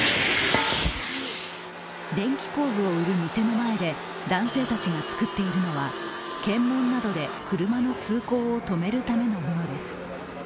電気工具を売る店の前で男性たちが作っているのは検問などで車の通行を止めるためのものです。